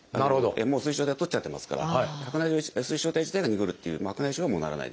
もう水晶体を取っちゃってますから水晶体自体がにごるっていう白内障はもうならないです。